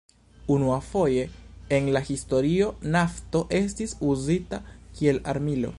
Unuafoje en la historio nafto estis uzita kiel armilo.